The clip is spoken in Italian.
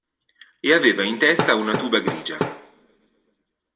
E aveva in testa una tuba grigia.